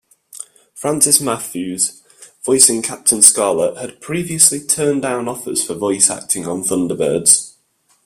Francis Matthews, voicing Captain Scarlet, had previously turned down offers for voice-acting on "Thunderbirds".